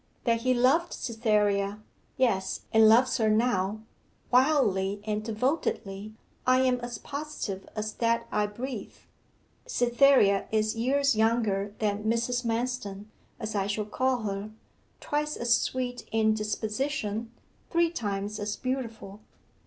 'That he loved Cytherea yes and loves her now, wildly and devotedly, I am as positive as that I breathe. Cytherea is years younger than Mrs. Manston as I shall call her twice as sweet in disposition, three times as beautiful.